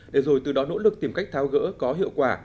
để rồi từ đó nỗ lực tìm cách tháo gỡ có hiệu quả